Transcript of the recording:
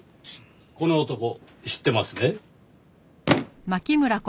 この男知ってますね？